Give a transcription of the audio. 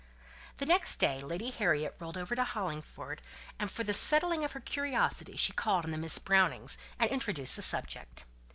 The next day Lady Harriet rode over to Hollingford, and for the settling of her curiosity she called on Miss Brownings, and introduced the subject.